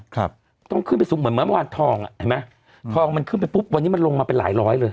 ครับต้องขึ้นไปสูงเหมือนเมื่อวานทองอ่ะเห็นไหมทองมันขึ้นไปปุ๊บวันนี้มันลงมาเป็นหลายร้อยเลย